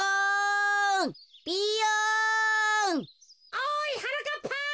おいはなかっぱ！